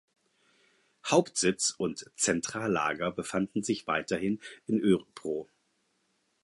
Hauptsitz und Zentrallager befanden sich weiterhin in Örebro.